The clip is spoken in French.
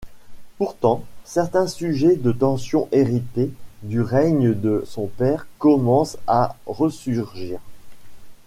Pourtant, certains sujets de tensions hérités du règne de son père commencent à ressurgir.